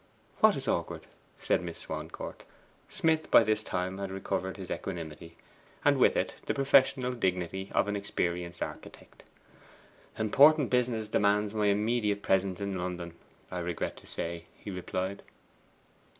'What is awkward?' said Miss Swancourt. Smith by this time recovered his equanimity, and with it the professional dignity of an experienced architect. 'Important business demands my immediate presence in London, I regret to say,' he replied.